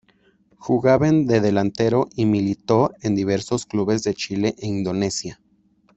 Jugaba de delantero y militó en diversos clubes de Chile e Indonesia.